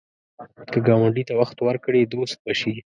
که ګاونډي ته وخت ورکړې، دوست به شي